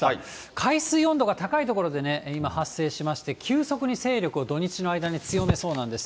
海水温度が高い所で、今、発生しまして、急速に勢力を土日の間に強めそうなんです。